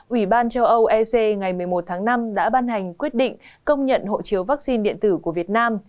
ủy ban châu âu ec ngày một mươi một tháng năm đã ban hành quyết định công nhận hộ chiếu vaccine điện tử của việt nam